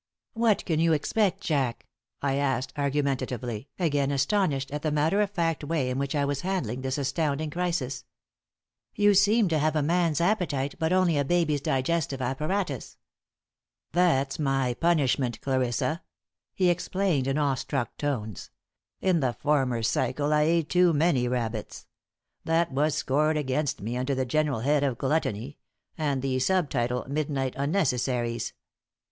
"What can you expect, Jack?" I asked, argumentatively, again astonished at the matter of fact way in which I was handling this astounding crisis. "You seem to have a man's appetite but only a baby's digestive apparatus." "That's my punishment, Clarissa," he explained, in awe struck tones. "In the former cycle I ate too many rabbits. That was scored against me, under the general head of 'Gluttony,' and the sub title 'Midnight Unnecessaries.